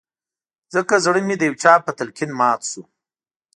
ځکه زړه مې د يو چا په تلقين مات شو